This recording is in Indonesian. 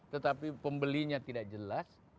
tetapi pembelinya tidak jelas